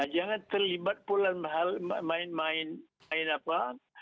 jangan terlibat pula dengan hal main main apa